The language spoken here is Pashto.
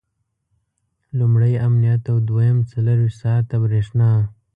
لومړی امنیت او دویم څلرویشت ساعته برېښنا.